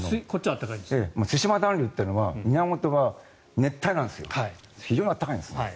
対馬暖流というのは源は熱帯なので非常に暖かいんです。